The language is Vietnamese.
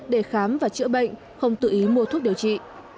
để khám và chữa bệnh không tự ý mua thuốc điều trị